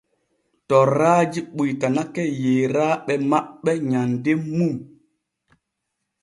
Tooraaji ɓuytanake yeeraaɓe maɓɓe nyanden mum.